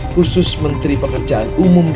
air bersih mengurangkan pengambilan air bersih